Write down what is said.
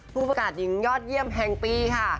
ผู้ประกาศหญิงยอดเยี่ยมแห่งปีค่ะ